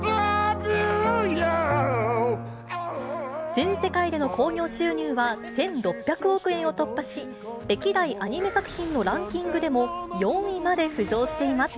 全世界での興行収入は、１６００億円を突破し、歴代アニメ作品のランキングでも４位まで浮上しています。